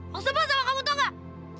mau sebah sama kamu tau gak